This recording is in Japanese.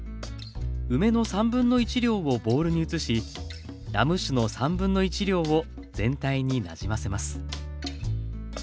梅の1/3量をボウルに移しラム酒の1/3量を全体になじませます。